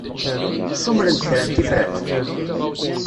Ssumren-d kra n tifrat?